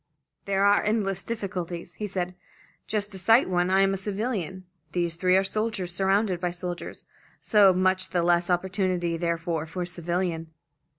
"There are endless difficulties," he said. "Just to cite one: I am a civilian, these three are soldiers, surrounded by soldiers; so much the less opportunity therefore for a civilian."